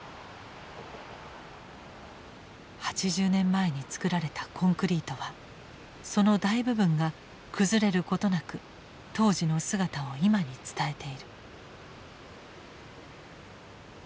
８０年前に造られたコンクリートはその大部分が崩れることなく当時の姿を今に伝えている。